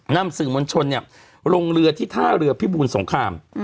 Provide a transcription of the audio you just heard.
นำสื่อมวลชนลงเรือที่ท่าเรือพิบูรสงคราม